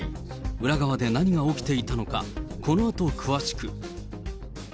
裏側で何が起きていたのか、このあと詳しく。